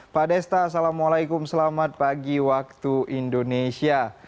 pak desta assalamualaikum selamat pagi waktu indonesia